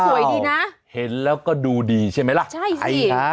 สวยดีนะเห็นแล้วก็ดูดีใช่ไหมล่ะใช่นะ